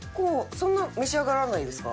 そんな召し上がらないですか？